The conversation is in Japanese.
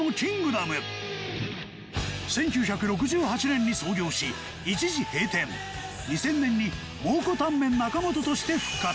１９６８年に創業し一時閉店２０００年に蒙古タンメン中本として復活